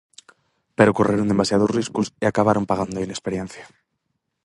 Pero correron demasiados riscos e acabaron pagando a inexperiencia.